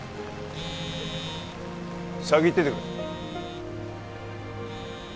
先行っててくれ